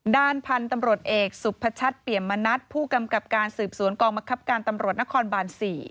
ด้านพันธ์ตำรวจเอกสุภชัตริย์เปรียมมนัดผู้กำกับการสืบศูนย์กองมกรับการตำรวจนครบาล๔